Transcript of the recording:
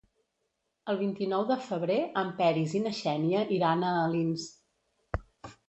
El vint-i-nou de febrer en Peris i na Xènia iran a Alins.